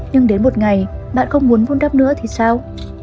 nhưng đến một ngày bạn không muốn vun đắp nữa thì sao